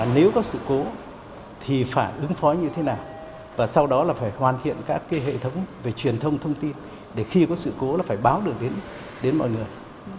nếu có sự cố thì phải ứng phó như thế nào và sau đó là phải hoàn thiện các hệ thống về truyền thông thông tin để khi có sự cố là phải báo được đến mọi người